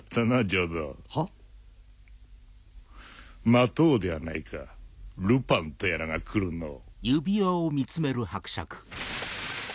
待とうではないかルパンとやらが来るのを。